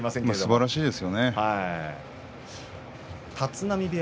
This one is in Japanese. すばらしいですね。